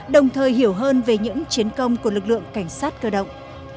đồng thời hiểu hơn về những chiến công của lực lượng cảnh sát cơ động